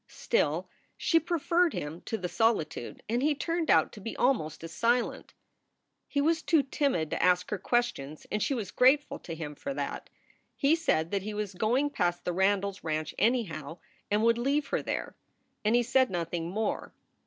Still, she preferred him to the solitude, and he turned out to be almost as silent. He was too timid to ask her questions and she was grateful to him for that. He said that he was going past the Ran dies s ranch anyhow, and would leave her there. And he said nothing more.